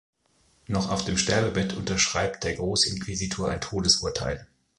Noch auf dem Sterbebett unterschreibt der Großinquisitor ein Todesurteil.